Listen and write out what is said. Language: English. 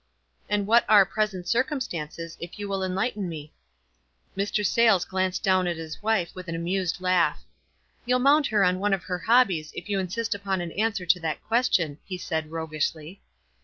"" And what are * present circumstances,' if you will enlighten me?" Mr. Sayles glanced down at his wife with an amused laugh. "You'll mount her on one of her hobbies if you insist upon an answer to that question," he 6aid, roguishly.